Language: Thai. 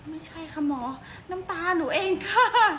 ไม่ใช่ค่ะหมอน้ำตาหนูเองค่ะ